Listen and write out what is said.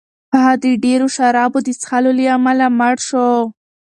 هغه د ډېرو شرابو د څښلو له امله مړ شو.